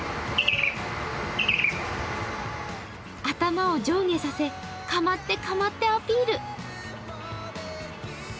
頭を上下させ、かまって、かまってアピール。